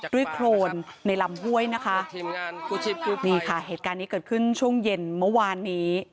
โครนในลำห้วยนะคะนี่ค่ะเหตุการณ์นี้เกิดขึ้นช่วงเย็นเมื่อวานนี้